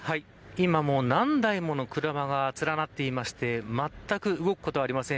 今もう何台もの車が連なっていましてまったく動くことはありません。